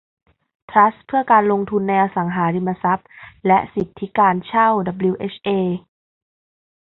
ทรัสต์เพื่อการลงทุนในอสังหาริมทรัพย์และสิทธิการเช่าดับบลิวเอชเอ